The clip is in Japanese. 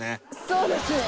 そうですね。